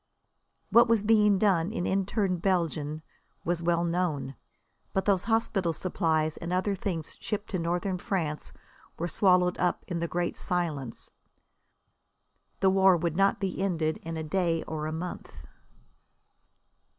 What was being done in interned Belgium was well known. But those hospital supplies and other things shipped to Northern France were swallowed up in the great silence. The war would not be ended in a day or a month.